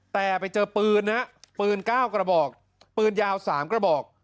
แต่ไปเจอปืนนะปืน๙กระบอกปืนยาว๓กระบอก